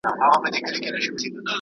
په کالیو کي یې پټ ول اندامونه ..